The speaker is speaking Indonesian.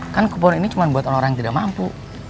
kan kepon ini cuma buat orang orang yang tidak mampu